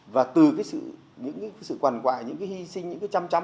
và từ những sự quần quại những cái hy sinh những cái chăm chấm